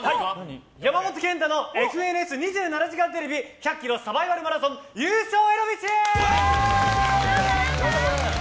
山本賢太の「ＦＮＳ２７時間テレビ」１００ｋｍサバイバルマラソン優勝への道。